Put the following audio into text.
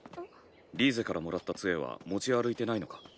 リーゼからもらった杖は持ち歩いてないのか？